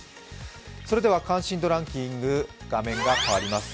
それでは関心度ランキング、画面が変わります。